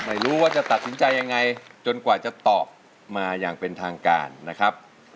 ไม่รู้ว่าจะตัดสินใจยังไงจนกว่าจะตอบมาอย่างเป็นทางการนะครับ